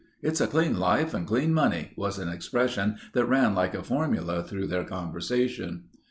"It's a clean life and clean money," was an expression that ran like a formula through their conversation.